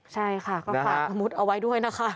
ใช่ค่ะก็ผลักมุษย์เอาไว้ด้วยนะฮะ